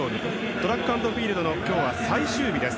トラックアンドフィールドの今日最終日です。